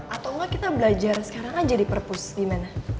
atau enggak kita belajar sekarang aja di purpose gimana